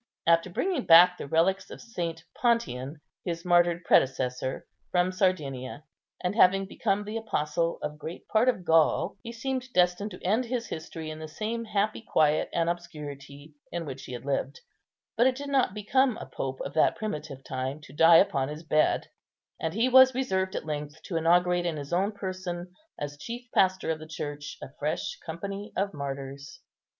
After bringing back the relics of St. Pontian, his martyred predecessor, from Sardinia, and having become the apostle of great part of Gaul, he seemed destined to end his history in the same happy quiet and obscurity in which he had lived; but it did not become a pope of that primitive time to die upon his bed, and he was reserved at length to inaugurate in his own person, as chief pastor of the Church, a fresh company of martyrs.